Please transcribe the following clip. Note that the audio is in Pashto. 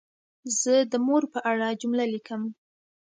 زه د مور په اړه جمله لیکم.